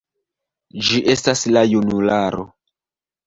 Ĝi estas la junularo.